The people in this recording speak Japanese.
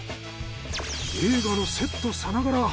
映画のセットさながら。